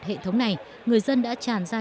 hệ thống này người dân đã tràn ra